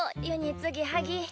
ゆにつぎはぎ。